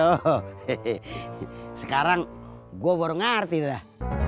tuh sekarang gue baru ngerti dah